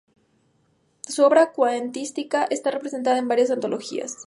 Su obra cuentística está representada en varias antologías.